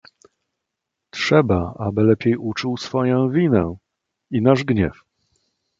"Trzeba aby lepiej uczuł swoję winę i nasz gniew."